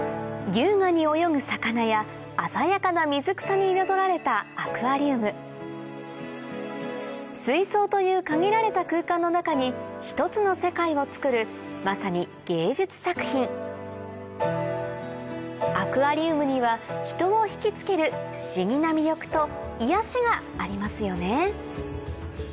優雅に泳ぐ魚や鮮やかな水草に彩られた水槽という限られた空間の中に１つの世界をつくるまさに芸術作品アクアリウムには人を引きつける不思議な魅力と癒やしがありますよね